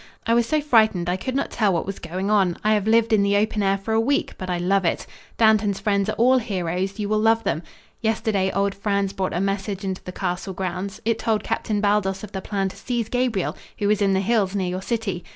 I was so frightened I could not tell what was going am. I have lived in the open air for a week, but I love it. Dantan's friends are all heroes. You will love them. Yesterday old Franz brought a message into the castle grounds. It told Captain Baldos of the plan to seize Gabriel, who was in the hills near your city.